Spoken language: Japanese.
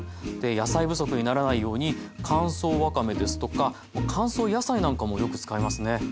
で野菜不足にならないように乾燥わかめですとか乾燥野菜なんかもよく使いますね。